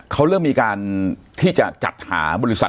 เขาเริ่มมีการที่จะจัดหาบริษัท